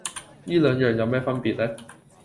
依兩樣有咩分別呢？